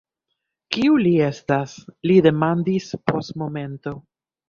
Kiu li estas? li demandis post momento.